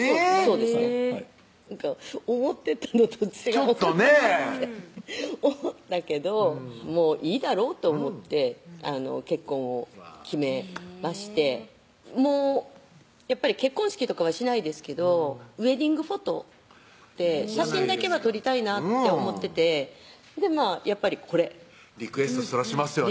えぇっ思ってたのと違うちょっとねぇ思ったけどもういいだろうと思って結婚を決めましてもうやっぱり結婚式とかはしないですけどウエディングフォトって写真だけは撮りたいなって思っててやっぱりこれリクエストそらしますよね